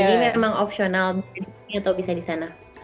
jadi memang opsional bisa di sini atau bisa di sana